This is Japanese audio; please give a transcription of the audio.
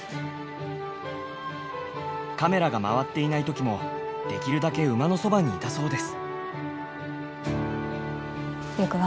カメラが回っていない時もできるだけ馬のそばにいたそうです。